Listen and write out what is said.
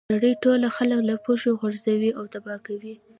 نړۍ ټول خلک له پښو غورځوي او تباه کوي.